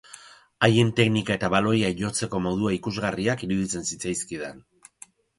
Haien teknika eta baloia jotzeko modua ikusgarriak iruditzen zitzaizkidan.